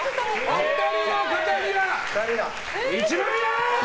お二人の方には１万円！